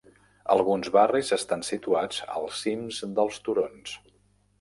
Alguns barris estan situats als cims dels turons.